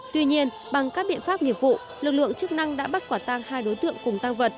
tuy nhiên bằng các biện pháp nghiệp vụ lực lượng chức năng đã bắt quả tang hai đối tượng cùng tăng vật